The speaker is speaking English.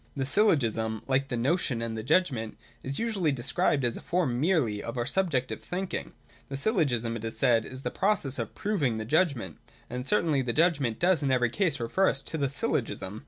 The Syllogism, like the notion and the judgment, is usually described as a form merely of our subjective thinking. The Syllogism, it is said, is the process of proving the judgment. And certainly the judgment does in every case refer us to the Syllogism.